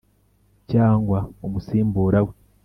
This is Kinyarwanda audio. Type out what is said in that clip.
Cyangwa umusimbura we